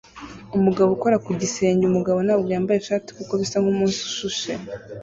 Umugabo ukora ku gisenge umugabo ntabwo yambaye ishati kuko bisa nkumunsi ushushe